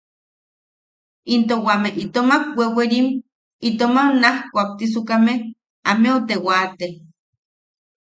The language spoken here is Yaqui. Into wame itomak wewerim, itomak naaj kuaktisukame, ameu te waate.